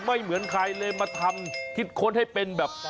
เหมือนใครเลยมาทำคิดค้นให้เป็นแบบ